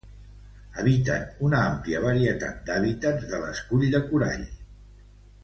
Habiten una àmplia varietat d'hàbitats de l'escull de corall.